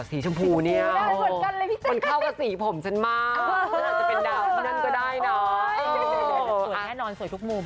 สวยแน่นอนสวยทุกมุม